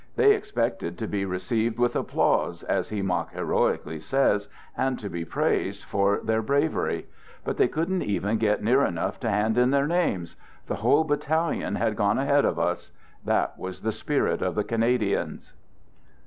They expected to be received with applause, as he mock heroically says, and to be praised for their bravery. But they couldn't even get near enough to hand in their names :" The whole battalion had gone ahead of us. That was the spirit of the Cana dians."